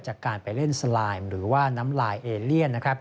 จากการไปเล่นสไลมหรือว่าน้ำลายเอเลียน